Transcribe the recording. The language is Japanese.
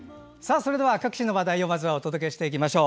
それでは、各地の話題をお届けしていきましょう。